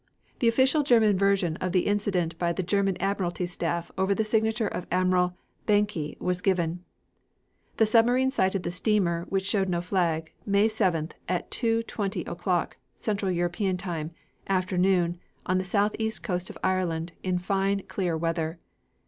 The following official German version of the incident by the German Admiralty Staff over the signature of Admiral Behncke was given: "The submarine sighted the steamer, which showed no flag, May 7th, at 2.20 o'clock, Central European time, afternoon, on the southeast coast of Ireland, in fine, clear weather.